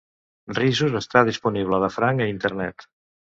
"Risus" està disponible de franc a Internet.